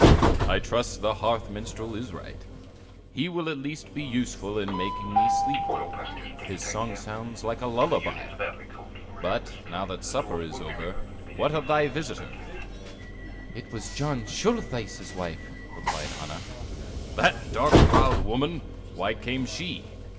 '" "I trust the hearth minstrel is right; he will at least be useful in making me sleep well; his song sounds like a lullaby! But now that supper is over, what of thy visitor?" "It was John Schultheiss' wife," replied Anna. "That dark browed woman! Why came she?"